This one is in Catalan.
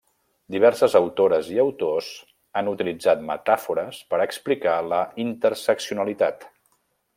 Diverses autores i autors han utilitzat metàfores per explicar la interseccionalitat.